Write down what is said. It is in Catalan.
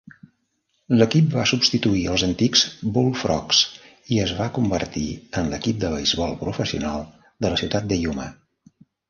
L'equip va substituir els antics Bullfrogs i es va convertir en l'equip de beisbol professional de la ciutat de Yuma.